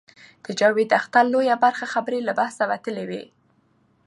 د جاوید اختر لویه برخه خبرې له بحث وتلې وې.